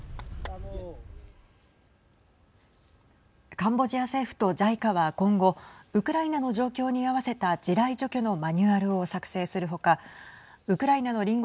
カンボジア政府とＪＩＣＡは今後ウクライナの状況に合わせた地雷除去のマニュアルを作成する他ウクライナの隣国